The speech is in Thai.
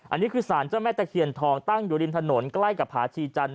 อันนี้คือสารเจ้าแม่ตะเคียนทองตั้งอยู่ริมถนนใกล้กับผาชีจันท